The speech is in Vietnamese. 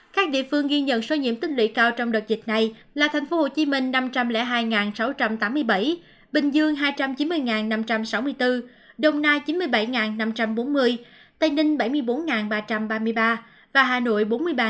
các địa phương nghiên nhận số nhiễm tích lũy cao trong đợt dịch này là tp hcm năm trăm linh hai sáu trăm tám mươi bảy bình dương hai trăm chín mươi năm trăm sáu mươi bốn đồng nai chín mươi bảy năm trăm bốn mươi tây ninh bảy mươi bốn ba trăm ba mươi ba và hà nội bốn mươi ba chín trăm hai mươi bốn